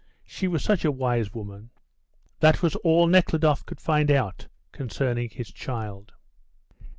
She was such a wise woman." That was all Nekhludoff could find out concerning his child.